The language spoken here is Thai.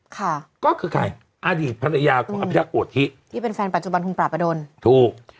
ค่ะก็คือใครอดีตภรรยาของอภิรักษ์โกธิที่เป็นแฟนปัจจุบันคุณปราบประดนถูก